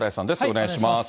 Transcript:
お願いします。